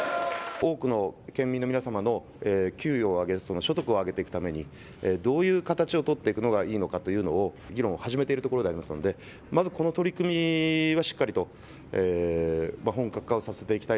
多くの県民の皆様の給与を上げ、所得を上げていくためにどういう形を取っていくのがいいのかというのを、議論を始めているところでありますのでまずこの取り組みはしっかりと本格化をさせていきたい。